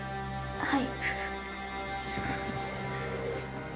はい。